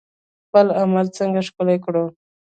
خپل عمل څنګه ښکلی کړو؟